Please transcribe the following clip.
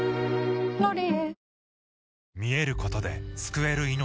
「ロリエ」